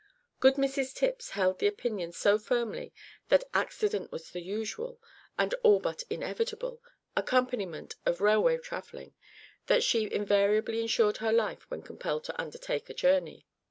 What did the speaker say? Good Mrs Tipps held the opinion so firmly that accident was the usual, and all but inevitable, accompaniment of railway travelling, that she invariably insured her life when compelled to undertake a journey.